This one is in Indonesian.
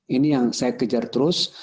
ini yang saya kejar terus